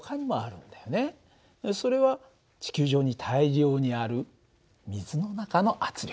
それは地球上に大量にある水の中の圧力。